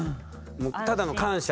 もうただの感謝。